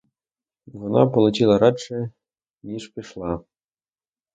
Вона полетіла радше, ніж пішла.